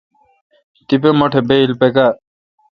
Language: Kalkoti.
تپہ مٹھ بایل پکار۔